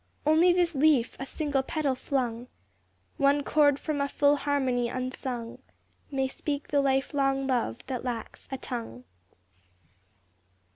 Only this leaf, a single petal flung, One chord from a full harmony unsung, May speak the life long love that lacks a tongue.